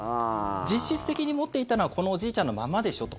実質的に持っていたのはこのおじいちゃんのままでしょと。